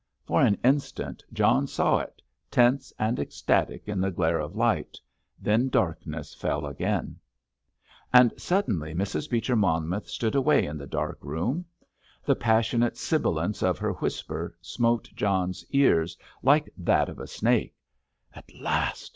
For an instant John saw it, tense and ecstatic in the glare of light—then darkness fell again. And suddenly Mrs. Beecher Monmouth stood away in the dark room. The passionate sibilance of her whisper smote John's ears, like that of a snake. "At last!